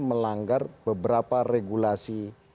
dikejar beberapa regulasi